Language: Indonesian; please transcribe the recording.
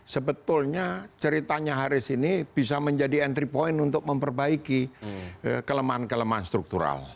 sebetulnya ceritanya haris ini bisa menjadi entry point untuk memperbaiki kelemahan kelemahan struktural